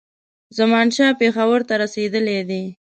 زمانشاه پېښور ته رسېدلی دی.